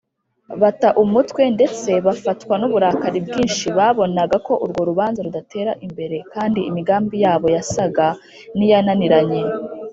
bata umutwe ndetse bafatwa n’uburakari bwinshi babonaga ko urwo rubanza rudatera imbere; kandi imigambi yabo yasaga n’iyananiranye